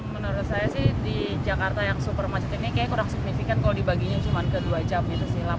menurut saya sih di jakarta yang super macet ini kayaknya kurang signifikan kalau dibaginya cuma ke dua jam gitu sih